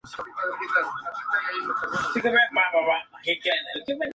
El disco, con obras de Piotr Ilich Chaikovski obtuvo varios premios.